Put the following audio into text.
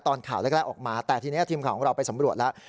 ข่าวแรกออกมาแต่ทีนี้ทีมข่าวของเราไปสำรวจแล้ว